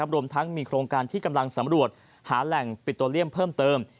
รวมทั้งมีโครงการที่กำลังสำรวจหาแหล่งปิโตเลียมเพิ่มเติม